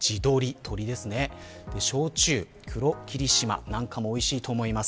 そして焼酎、黒霧島なんかもおいしいと思います。